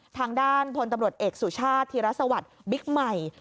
ทางด้านพลตำรวจเอกสุชาติธีรสวัสดิ์บิ๊กใหม่